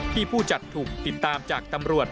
ผู้จัดถูกติดตามจากตำรวจ